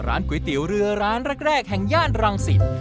ร้านก๋วยเตี๋ยวเรือร้านแรกแห่งญาติรังสิต